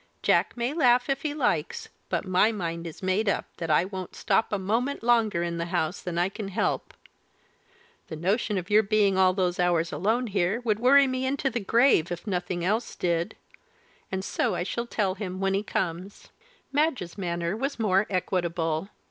Jack may laugh if he likes, but my mind is made up that I won't stop a moment longer in the house than I can help; the notion of your being all those hours alone here would worry me into the grave if nothing else did and so I shall tell him when he comes." Madge's manner was more equable.